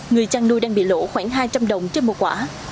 người chăn nuôi đang bị lỗ khoảng hai trăm linh đồng trên một quả